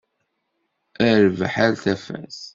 A rrbeḥ, a tafat!